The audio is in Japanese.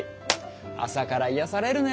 朝から癒やされるね！